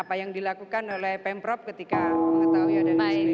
apa yang dilakukan oleh pemprov ketika mengetahui ada disclaimer